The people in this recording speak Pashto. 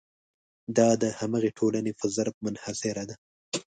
دا د همغې ټولنې په ظرف منحصره ده.